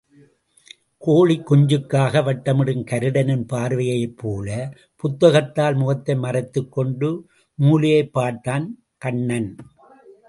கோழிக் குஞ்சுக்காக வட்டமிடும் கருடனின் பார்வையைப் போல, புத்தகத்தால் முகத்தை மறைத்துக் கொண்டு மூலையைப் பார்த்தான் கண்ணன்.